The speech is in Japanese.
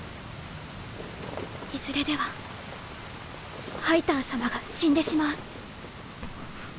いずれではハイター様が死んでしまう。